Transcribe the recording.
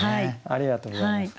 ありがとうございます。